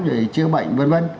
rồi chữa bệnh v v